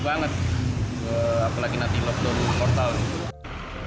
sekarang juga mulai sepi banget apalagi nanti lockdown mortal